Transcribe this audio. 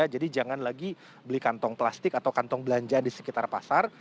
jadi jangan lagi beli kantong plastik atau kantong belanjaan di sekitar pasar